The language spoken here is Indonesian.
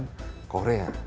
dan kebudayaan korea